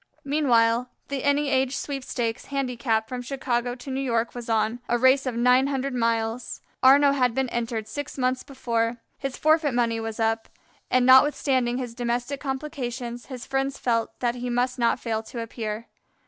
Meanwhile the "Any Age Sweepstakes" handicap from Chicago to New York was on, a race of nine hundred miles. Arnaux had been entered six months before. His forfeit money was up, and notwithstanding his domestic complications, his friends felt that he must not fail to appear.